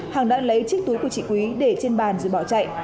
hằng đã lấy chiếc túi của chị quý để trên bàn rồi bỏ chạy